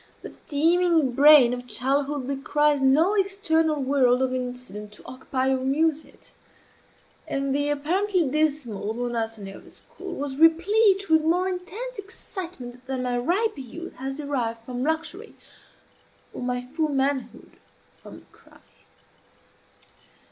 The teeming brain of childhood requires no external world of incident to occupy or amuse it; and the apparently dismal monotony of a school was replete with more intense excitement than my riper youth has derived from luxury, or my full manhood from crime.